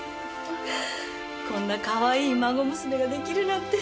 こんなかわいい孫娘ができるなんて。